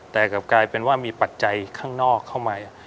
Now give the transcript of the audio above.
แต่กลับกลายเป็นว่ามีปัจจัยข้างนอกเข้ามา